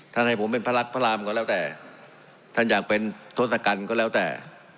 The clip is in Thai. ให้ผมเป็นพระรักพระรามก็แล้วแต่ท่านอยากเป็นทศกัณฐ์ก็แล้วแต่